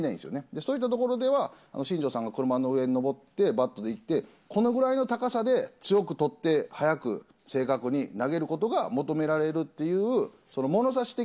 そういったところでは、新庄さんが車の上に登ってバットでいってこのぐらいの高さで強くとって早く正確に投げることが求められるっていうそのものさし的